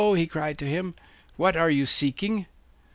he cried to him,' what are you seeking?